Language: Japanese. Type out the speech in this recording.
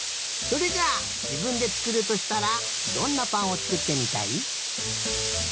それじゃあじぶんでつくるとしたらどんなぱんをつくってみたい？